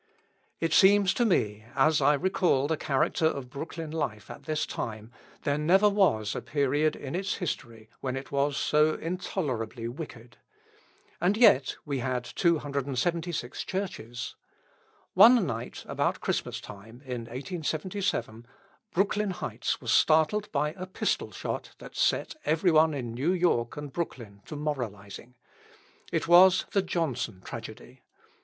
It seems to me, as I recall the character of Brooklyn life at this time, there never was a period in its history when it was so intolerably wicked. And yet, we had 276 churches. One night about Christmas time, in 1877, Brooklyn Heights was startled by a pistol shot that set everyone in New York and Brooklyn to moralising. It was the Johnson tragedy.